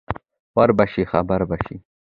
ـ وربشې خبر بشې.